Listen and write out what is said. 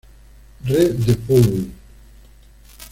Re de Publ.